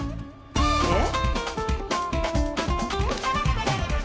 えっ？